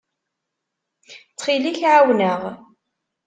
Ttxil-k, ɛawen-aɣ.